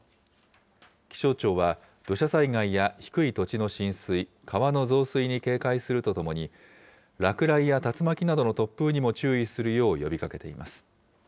気象庁は、土砂災害や低い土地の浸水、川の増水に警戒するとともに、落雷や竜巻などの突風にも注意するよう呼びかけています。